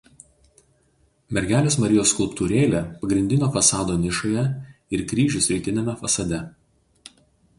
Mergelės Marijos skulptūrėlė pagrindinio fasado nišoje ir kryžius rytiniame fasade.